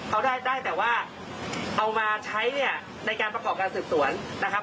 เขาได้ได้แต่ว่าเอามาใช้เนี่ยในการประกอบการสืบสวนนะครับ